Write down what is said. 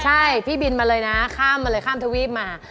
ใช่พี่บินมาเลยนะข้ามมาเลยข้ามทวีปมา